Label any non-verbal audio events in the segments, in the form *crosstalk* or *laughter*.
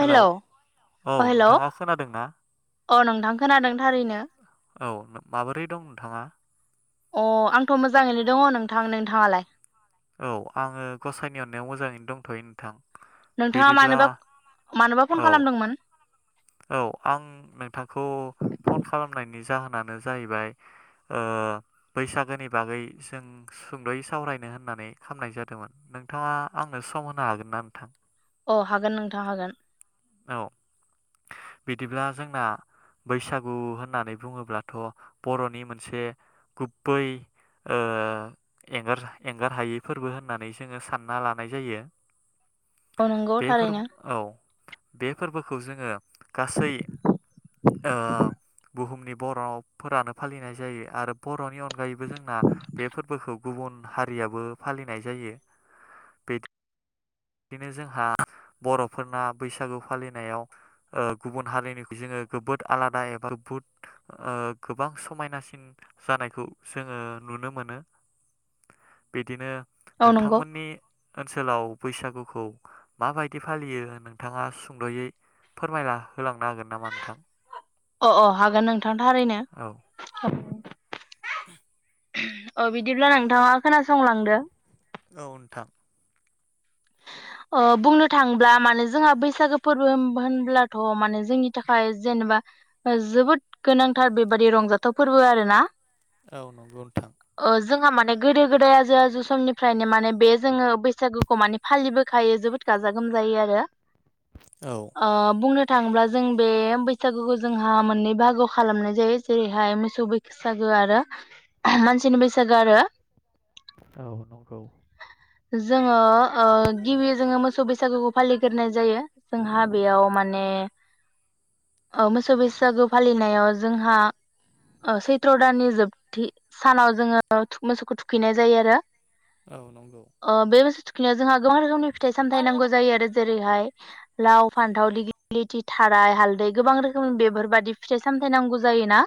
Hello औ अ hello नोंथाङा खोनादोंना? अ' नोंथां खोनादों थारैनो। औ माबोरै दं नोंथाङा? अ आंथ' मोजाङैनो दङ नोंथां नोंथाङालाय? औ आङो गसाइनि अननायाव मोजाङैनो दंथ'यो नोंथां। नोंथाङा बिदिब्ला मानोबा मानोबा फन औ खालामदोंमोन? औ आं नोंथांखौ फन खालामनायनि जाहोनानो जाहैबाय ओ बैसागोनि बागै जों सुंदयै सावरायनो होननानै खालामनाय जादोंमोन नोंथाङा आंनो सम होनो हागोन ना नोंथां? औ हागोन नोंथां हागोन। औ। बिदिब्ला जोंना बैसागु होननानै बुङोब्लाथ' बर'नि मोनसे गुबै एंगारहायै फोरबो होननानै जोङो सानना लानाय जायो। औ नंगौ बे फोरबो थारैनो। औ बे फोरबोखौ जोङो गासै ओ बुहुमनि बर'फोरानो फालिनाय जायो आरो बर'नि अनगायैबो जोंना बे फोरबोखौ गुबुन हारियाबो फालिनाय जायो। बेदि बिदिनो जोंहा बर'फोरना बैसागु फालिनायाव गुबुन हारिनिखौ जोङो जबोद आलादा एबा बहुद गोबां समायनासिन जानायखौ जोङो नुनो मोनो। बिदिनो औ नंगौ नोंथांमोननि ओनसोलाव? बैसागुखौ माबायदि फालियो नोंथाङा सुंद'यै फोरमायला होलांनो हागोन नामा नोंथां? अ'- अ' हागोन नों थां थारैनो। औ औ बिदिब्ला नोंथाङा खोनासंलांदो। औ नोंथां। ओ बुंनो थाङोब्ला माने जोंहा बैसागो फोरबो होम होनब्लाथ माने जोंनि थाखाय जेनेबा जोबोद गोनांथार बेबादि रंजाथाव फोरबो आरो ना। औ नंगौ नोंथां। जोंहा माने गोदो-गोदाय आजौ -आजै समनिफ्रायनो माने बे जोङो बैसागुखौ माने फालिबो खायो जोबोद गाजा गोमजायै आरो औ ओ बुंनो थांब्ला जों बे बैसागोखौ जोंहा मोननै बाहागोआव खालामनाय जायो। जेरैहाय मोसौ बैसागो आरो मानसिनि बैसागो आरो औ नंगौ। जोङो ओ गिबि जोङो मोसौ बैसागुखौ फालिग्रोनाय जायो। जोंहा बेयाव माने। औ मोसौ बैसागु फालिनायाव जोंहा ओ सैथ्र दाननि जोबथि सानाव जोङो मोसौखौ थुखैनाय जायो आरो। औ नंगौ। निया जोहा *unintelligible* फिथाइ-सामथाइ नांगौ जायो आरो। जेरैहाय लाव-फान्थाव लिगिलिथि थाराय हालदै गोबां रोखोमनि बेफोरबादि फिथाइ सामथाय नांगौ जायोना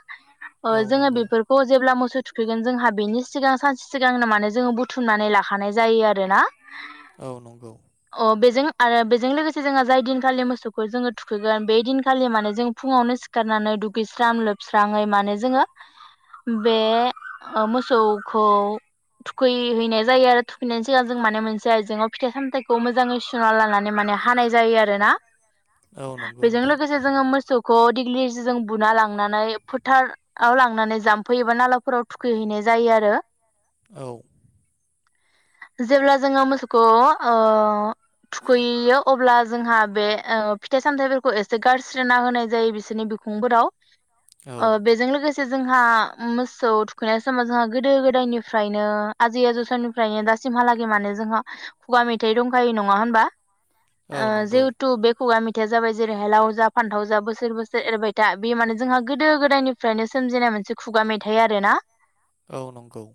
ओ औ जोङो नंगौ बेफोरखौ जेब्ला मोस सौ थुखैगोन जोंहा बेनि सिगां सानसे सिगांनो माने जोङो बुथुमनानै लाखानाय जायो आरोना। औ नंगौ। औ बेजों आरो बेजों लोगोसे जोंहा जाय दिनखालि मोसौखौ जोङो थुखैगोन बे दिनखालि माने जों फुङावनो सिखारनानै दुगैस्रां लोबस्राङै माने जोङो बे ओ मोसौखौ थुखैहैनाय जायो। आरो थुखैनाय जाया जों माने मोनसे आयजेङाव फिथाइ -सामथाइखौ मोजाङै सुना लानानै माने हानाय जायो आरो ना। औ नंगौ बेजों नोंथां लोगोसे जोङो मोसौ खौ दिग्लि जों बुना लांनानै फोथार आव लांनानै जाम्फै एबा नालाफोराव थुखैहैनाय जायो आरो औ जेब्ला जोङो मोसौ खौ ओ थुखैैयो अब्ला जोंहा बे ओ फिथाइ सामथाइफोरखौ एसे गारस्रोना होनाय जायो बिसोरनि बिखुंफोराव औ अ बेजों लोगो से जोंहा ओ मोसौ थुखैनाय समाव जोंहा गोदो गोदायनिफ्रायनो आजै आजौ समनिफ्रायनो दासिमहालागै माने जोंहा खुगा मेथाइ दंखायो नङा होनबा औ ओ नंगौ जिहेथु बे खुगा मे थाया जाबाय जेरैहाय लाव जा फान्थाव जा बोसोर बोसोर एरबाय था बे माने जोंहा गोदो गोदायनिफ्रायनो सोमजिनाय मोनसे खुगा मेथाइ आरोना औ नंगौ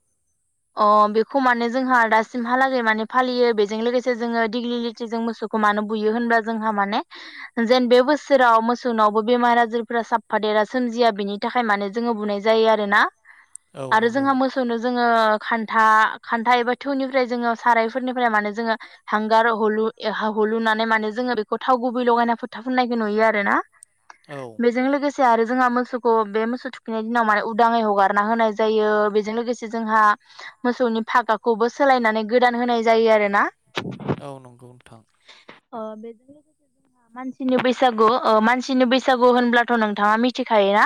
अ बेखौ माने जोंहा दासिमहालागै माने फालियो बेजों लोगोसे जोङो दिग्लिलिटिजों मोसौखौ मानो बुयो होनब्ला जोंहा माने जेन बे बोसोराव मोसौनावबो बेमार आजारफोरा साबफादेरा सोमजिया बेनि थाखाय माने जोङो बुनाय जायो आरोना औ आरो नंगौ जोंहा मोसौनो जोङो खान्ता खान्ता एबा थौनिफ्राय जोङो साराय फोरनिफ्राय माने जोङो हांगार हु हलुनानै माने जोङो बेखौ थाव गुबै लगायना फोथा फोननायखौ नुयो आरो ना। औ बेजोंं लोगोसे से आरो जोंहा मोसौखौ बे मोसौ थुखैनाय दिनाव माने उदाङै हगारना होनाय जायो बेजों लोगोसे जोंहा मोसौनि फागाखौबो सोलायनानै गोदान होनाय जायो आरो ना। औ नंगौ नोंथां। ओ बेजों लोगोसे जोंहा मानसिनि बैसागु मानसिनि बैसागु होनब्लाथ' नोंथाङा मिथिखायो ना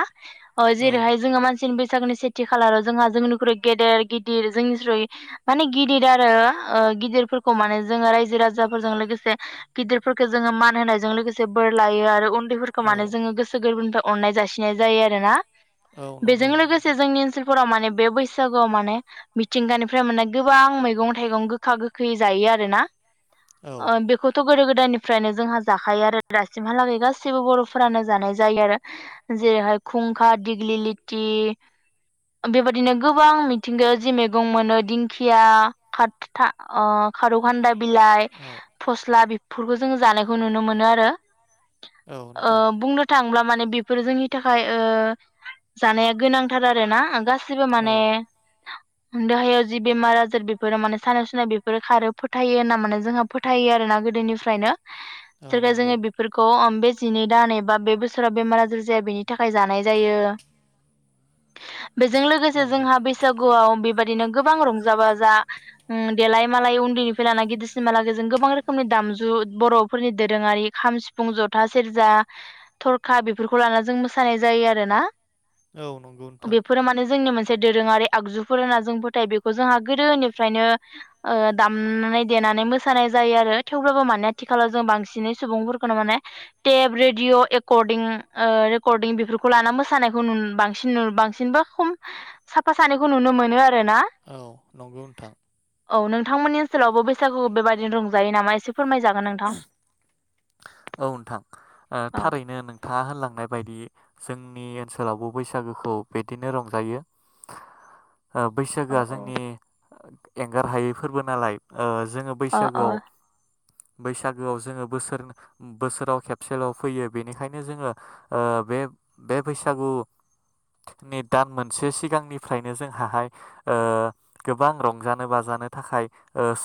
अ औ जेरैहाय जोङो मानसिनि बैसा बैसागुनि सेथि खालाराव जोंहा जोंनिख्रुइ गेदेर गिदिर जोंनिख्रुइ माने गिदिर आरो ओ गिदिरफोरखौ माने जोङो रायजो राजाफोरजों लोगोसे गिदिरफोरखौ जोङो मान होनायजों लोगोसे बोर लायो आरो फोरखौ माने औ जोङो गोसो गोरबोनि फ्राय अननाय जासिनाय जायो आरो ना। औ बेजों नंगौ लोगोसे नोंथां जोंनि ओनसोल फोराव माने बे बैसागोआव माने मिथिंगानिफ्राय माने गोबां मैगं थाइगं गोखा गोखै जायो आरो ना। औ ओ‌ बेखौथ' गोदो गोदायनिफ्रायनो जोंहा जाखायो आरो दासिमहालागै गासैबो बर'फोरानो जानाय जायो आरो जेरैहाय खुंखा दिग्लिलिथि बेबायदिनो गोबां मिथिंगायाव जि मैगं मोनो दिंखिया खात था ओ खारुखान्दाइ बिलाइ औ फस्ला बि फोरखौ जों जानायखौ नुनो मोनो आरो औ ओ नोंथां बुंनो थाङोब्ला माने बेफोरो जोंनि थाखाय ओ जानाया गोनांथार आरोना गासै एसेबो औ माने देहायाव जि बेमार आजार बेफोरो माने सानाय सुनाय बेफोरो खारो फोथायो ना माने जोंहा फोथायो आरोना गोदोनिफ्रायनो। औ सोर नंगौ जोङो बेफोरखौ ओम बे जिनै दान एबा बे बोसोराव बेमार आजार जाया बेनि थाखाय जानाय जायो। बेजों लोगोसे नंगौ जोंहा बैसागुआव बेबादिनो गोबां रंजा बाजा ओ देलाय मालाय उन्दैनिफ्राय लाना गिदिरसिन माला जों गोबां रोखोमनि दामजु बर'फोरनि दोरोङारि खाम सिफुं जथा सेरजा थरखा बेफोरखौ लाना जों मोसानाय जायो आरो ना। औ नंगौ नोंथां बेफोरो माने जोंनि मोनसे मोनसे दोरोङारि आगजुफोर होनना जों फोथाय बेखौ जोंहा गोदोनिफ्रायनो ओ दामनानै देनानै मोसानाय जायो आरो थेवब्लाबो माने आथिखालाव जों बांसिनै सुबुंफोरखौनो माने टेब रेडिय' एकरडिं रेकर्डिं बेफोरखौ लाना मोसानायखौ बांसिन बांसिनबा खम साफा सानैखौ नुनो मोनो आरो। ना औ नंगौ नोंथां। औ नोंथांमोननि ओनसोलावबो बैसागुखौ बेबायदिनो रंजायो नामा एसे फोरमायजागोन नोंथां? औ नोंथां औ थारैनो नोंथाङा होनलांनाय बायदि जोंनि ओनसोलावबो बैसागोखौ बिदिनो रंजायो। ओ बैसागोआ जोंनि एंगार हायैफोरबो नालाय ओ जोङो अ अ बैसागोआव बैसागोआव जोङो बोसोर बोसोराव खेबसेल' फैयो बेनिखायनो जोङो ओ बे बे बैसागुनि दान मोनसे सिगांनिफ्रायनो जोंहाहाय ओ गोबां रंजानो बाजानो थाखाय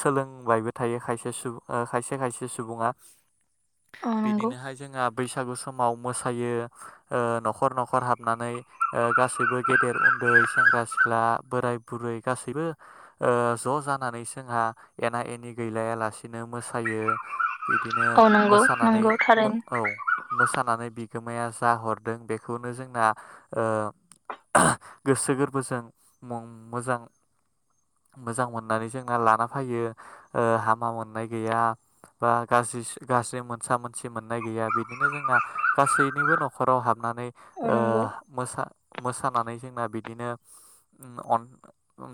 सोलोंबायबो थायो खायसे सुबुं खायसे खायसे सुबुङा औ नंगौ बिदिनोहाय जोंहा। बैसागु समाव मोसायो ओ न'खर न'खर हाबनानै ओ गासैबो गेदेर उन्दै सेंग्रा सिख्ला बोराय बुरै गासैबो ओ ज' जानानै जोंहा एना एनि गैलायालासिनो मोसायो। बिदिनो औ नंगौ मोसानानै नंगौ थारैनो औ मोसानानै बि बिगोमाया जा हरदों बेखौनो जोंना ओ गोसो गोरबोजों मोजां मोजां मोननानै जोंना लाना फैयो हामा मोननाय गैया बा गाज्रि गास्रि मोनसा मोनसि मोननाय गैया बिदिनो जोंना गासैनिबो न'खराव हाबनानै औ ओ नंगौ मोसा मोसानानै जोंना बिदिनो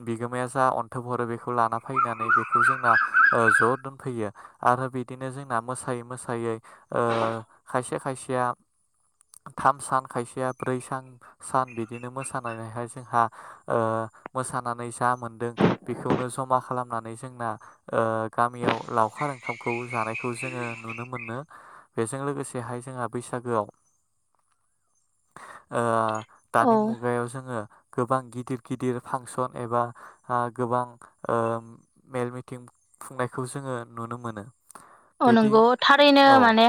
बिगोमाया जा अन्थोब हरो बेखौ लाना फैनानै बेखौ जोंना ज' दोनफैयो आरो बिदिनो जों मोसायै मोसायै खायसे खायसेया थाम सान‌ खायसेया ब्रै सान सान बिदिनो मोसानानैहाय जोंहा ओमोसानानै जा मोनदों बिखौनो ज'मा खालामनानै जोंना ओ गामियाव लावखार ओंखामखौ जानाय खौ जोङो नुनो मोनो बेजों लोगोसेहाय जोंहा बैसागोआव ओ औ दानि मुगायाव जोङो गोबां गिदिर गिदिर फांसन एबा गोबां ओ मेल मिथिं खुंनायखौ जोङो नुनो मोनो। बिदि नंगौ थारैनो औ माने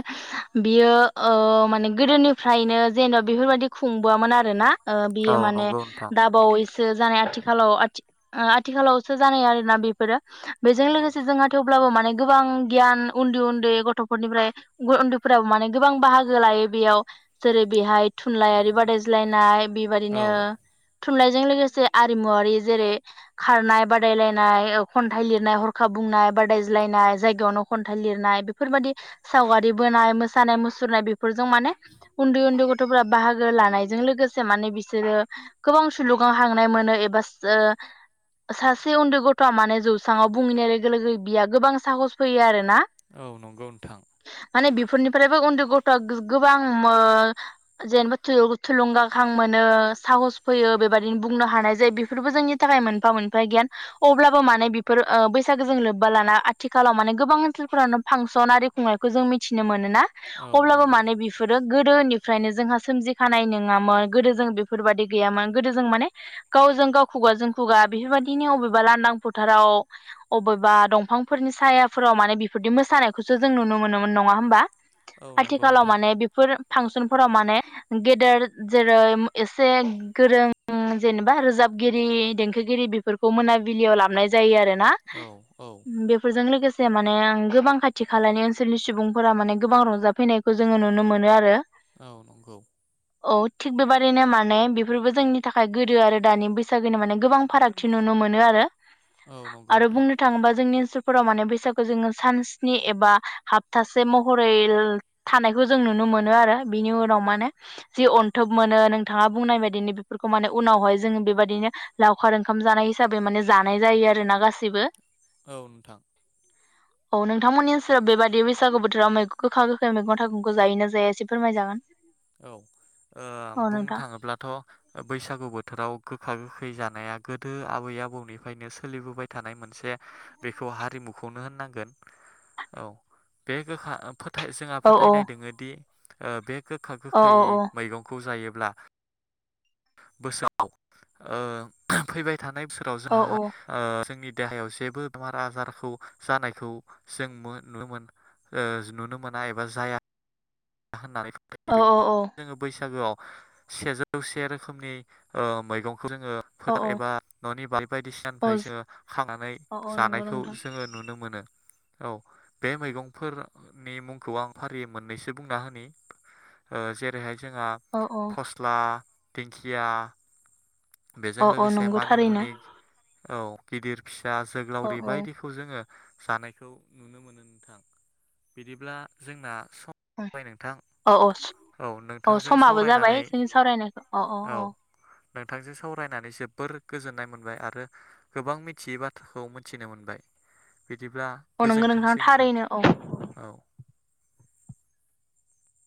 बियो औ माने गोदोनिफ्रायनो जेन'बा बेफोरबायदि खुंबोआमोन आरोना। ओ औ बियो माने नंगौ नोंथां दाबावै जानाय आथिखालाव आथिखालावसो जानाय आरोना बेफोरो बेजों औ लोगोसे जोंहा थेव अब्लाबो माने गोबां गियान उन्दै उन्दै गथ'फोरनिफ्राय उन्दैफोराबो माने गोबां बाहागो लायो बेयाव जेरै बेहाय थुनलाइयारि बादायज्लायनाय बेबादिनो औ थुनलाइजों लोगोसे आरिमुवारि जेरै खारनाय बादायलायनाय खन्थाइ लिरनाय हरखा बुंनाय बादायज्लायनाय जायगायावनो खन्थाइ लिरनाय बेफोरबादि सावगारि बोनाय मोसानाय मुसुरनाय बेफोरजों माने उन्दै उन्दै गथ'फोरा बाहागो लानायजों लोगोसे माने बिसोरो गोबां सुलुगाव हांनाय मोनो एबा सासे उन्दै गथ'आ माने जौस्राङाव बुहैनाय लोगो लोगो बिया गोबां साहस फैयो आरो औ नंगौ नोंथां माने बेफोरनिफ्रायबो उन्दै गथ'आ गोबां जेनेबा थुलुंगाखां मोनो साहस फैयो बेबायदिनो बुंनो हानाय जायो बेफोरबो जोंनि थाखाय मोनफा मोनफा गियान अब्लाबो माने बेफोर बैसागो जों लोब्बा लाना आथिखालाव माने गोबां सकुलफोरावनो फांसन आरि खुंनायखौ जों मिथिनो मोन ना औ अब्लाबो नंगौ माने बेफोरो गोदोनिफ्रायनो जोंहा सोमजिखानाय नङामोन गोदो जों बेफोरबायदि गैयामोन गोदो जों माने गावजों गाव खुगाजों खुगा बेफोरबायदिनो अबेबा लांदां फोथाराव अबेबा दंफांफोरनि सायाफोराव माने बेफोरदि मोसानायखौसो जों नुनो मोनोमोन नङा होनोमबा आथिखालाव नोंथां माने बेफोर फांसनफोराव माने गेदेर जेरै एसे गोरों जेनेबा रोजाबगिरि देंखोगिरि बेफोरखौ मोनाबिलियाव लाबोनाय जायो आरो। ना औ औ बेफोरजों लोगोसे से माने गोबां खाथि खालानि ओनसोलनि सुबुंफोरा माने गोबां रंजाफैनायखौ जोङो नुनो मोनो आरो। औ नंगौ। औ थिग बेबादिनो माने बेफोरबो जोंनि थाखाय गोदो आरो दानि बैसागोनि माने गोबां फारागथि नुनो मोनो आरो। औ नंगौ आरो नोंथां बुंनो थाङोबा जोंनि ओनसोल फोराव माने बैसागुखो जोङो सान स्नि एबा हाप्तासे महरै थानायखौ जों नुनो मोनो आरो बिनि उनाव माने जि अन्थोब मोनो नोंथाङा बुंनाय बायदिनो बेफोरखौ माने उनावहाय जों बेबायदिनो लावखार ओंखाम जानाय हिसाबै माने जानाय जायो आरोना गासैबो। औ नोंथां। औ नोंथांमोननि ओनसोलाव बेबायदि बैसागु बोथोराव मैगं गोखा गोखै मैगं थाइगंखौ जायो ना जाया एसे फोरमायजागोन। औ ओ औ बुंनो नोंथां थाङोब्लाथ' बैसागु बोथोराव गो खा गोखै जानाया गोदो आबै आबौनिफ्रायनो सोलिबोबाय थानाय मोनसे बेखौ हारिमुखौनो होननांगोन औ बे गोखा फोर जोंहा औ औ फोथायनाय दोङोदि ओ बे गोखा औ गोखै औ मैगंखौ जायो ब्ला बोसोराव ओ फैबाय थांनाय बोसोराव औ जोंहा ओ जोंनि देहायाव जेबो बेमार आजारखौ जानायखौ जों नुनो मोन ओ नुनो मोना एबा जाया होनानै औ बेनि *unintelligible* औ जोङो बैसागोआव सेजौसे रोखोमनि ओ मैगं बेखौ जोङो फोथार औ एबा न'नि बारि औ बायदिसिनानिफ्राय जोङो खांनानै औ औ नंगौ जानायखौ नोंथां जोङो नुनो मोनो। औ बे मैगंफोरनि मुंखौ आं फारियै मोननैसो बुंना होनि ओ जेरैहाय जोंहा औ औ फस्ला दिंखिया बेजों औ औ लोगोसे नंगौ थारैनो मानिमुनि औ गिदिर फि सा औ जोग्लावरि बायदिखौ जोङो जानायखौ नुनो मोनो नोंथां बिदिब्ला जोंना सम उम जाबाय नोंथां औ औ औ नोंथांजों समाबो जाबाय सावरायनानै जोंनि सावरायनायखौ औ औ औ। नोंथांजों सावरायनानै जोबोर गोजोन्नाय मोनबाय आरो गोबां मिथियै बाथ्राखौ मिथिनो मोनबाय। बिदिब्ला औ नंगौ गोजोनथोंसै नोंथां थारैनो औ।